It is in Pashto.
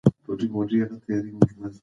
د پیسو ګټل اسانه کار نه دی.